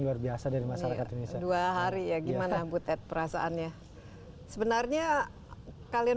luar biasa dari masyarakat indonesia dua hari ya gimana butet perasaannya sebenarnya kalian